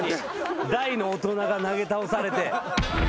大の大人が投げ倒されて。